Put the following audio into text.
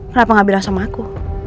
kenapa gak bilang sama aku